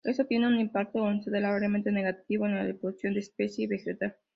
Esto tiene un impacto considerablemente negativo en la reproducción de la especie vegetal.